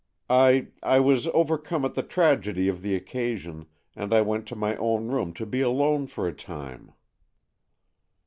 "I—I was overcome at the tragedy of the occasion, and I went to my own room to be alone for a time."